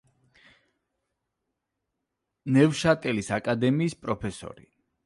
ნევშატელის აკადემიის პროფესორი.